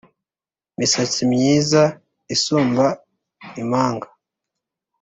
Misatsi myiza isumba imanga